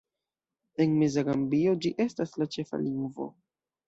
En meza Gambio ĝi estas la ĉefa lingvo.